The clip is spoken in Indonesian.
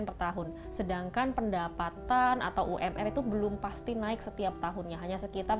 per tahun sedangkan pendapatan atau umr itu belum pasti naik setiap tahunnya hanya sekitar